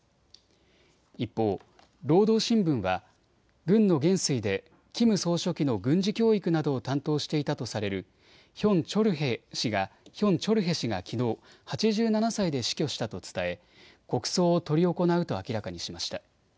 一方、労働新聞は軍の元帥でキム総書記の軍事教育などを担当していたとされるヒョン・チョルヘ氏がきのう８７歳で死去したと伝え国葬を執り行うと明らかにしました。